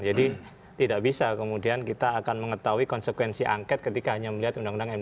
jadi tidak bisa kemudian kita akan mengetahui konsekuensi angket ketika hanya melihat undang undang md tiga